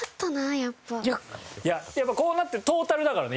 いややっぱこうなってトータルだからね